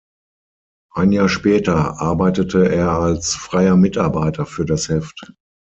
Ein Jahr später arbeitete er als freier Mitarbeiter für das Heft.